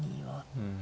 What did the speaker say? うん。